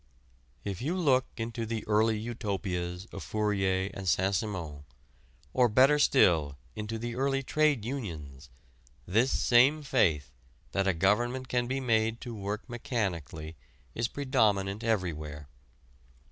If you look into the early utopias of Fourier and Saint Simon, or better still into the early trade unions, this same faith that a government can be made to work mechanically is predominant everywhere.